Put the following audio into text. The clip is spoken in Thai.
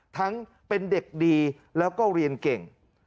ทั้งเป็นเด็กดีแล้วก็เรียนเก่ง